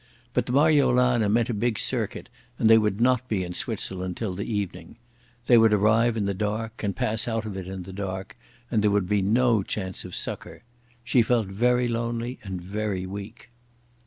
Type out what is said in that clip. But the Marjolana meant a big circuit, and they would not be in Switzerland till the evening. They would arrive in the dark, and pass out of it in the dark, and there would be no chance of succour. She felt very lonely and very weak.